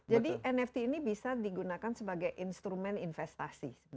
jadi nft ini bisa digunakan sebagai instrumen investasi